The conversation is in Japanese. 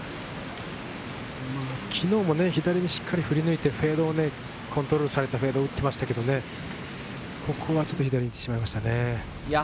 昨日もしっかり左に振り抜いて、コントロールされたフェードを打っていましたけど、ここはちょっと左に行ってしまいましたね。